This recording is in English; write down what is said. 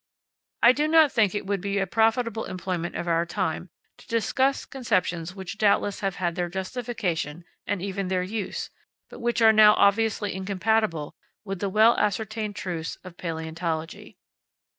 I do not think it would be a profitable employment of our time to discuss conceptions which doubtless have had their justification and even their use, but which are now obviously incompatible with the well ascertained truths of palaeontology.